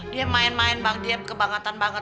dia main main banget dia kebangetan banget